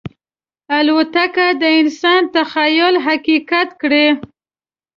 الوتکه د انسان تخیل حقیقت کړی.